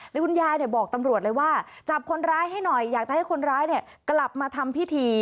แล้วคุณยายบอกตำรวจเลยว่าจับคนร้ายให้หน่อยอยากจะให้คนร้ายกลับมาทำพิธี